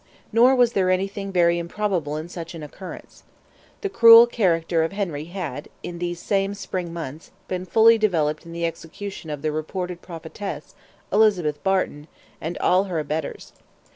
Nor was there anything very improbable in such an occurrence. The cruel character of Henry had, in these same spring months, been fully developed in the execution of the reputed prophetess, Elizabeth Barton, and all her abettors.